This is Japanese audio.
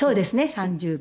３０秒。